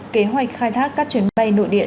kế hoạch khai thác các chuyến bay nội địa